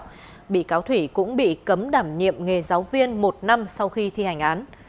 trong đó bị cáo thủy cũng bị cấm đảm nhiệm nghề giáo viên một năm sau khi thi hành án